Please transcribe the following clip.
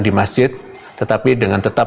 di masjid tetapi dengan tetap